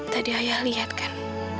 tadi ayah lihat kan